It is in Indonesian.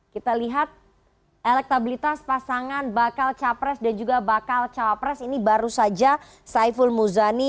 kita lihat elektabilitas pasangan bakal capres dan juga bakal cawapres ini baru saja saiful muzani